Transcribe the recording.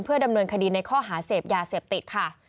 ดำเนินคดีในข้อหาเสพยาเสพติดค่ะ